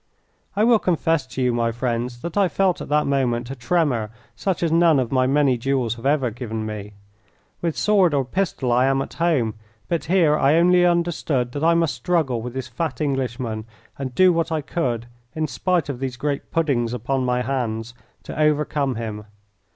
I will confess to you, my friends, that I felt at that moment a tremor such as none of my many duels have ever given me. With sword or pistol I am at home, but here I only understood that I must struggle with this fat Englishman and do what I could, in spite of these great puddings upon my hands, to overcome him.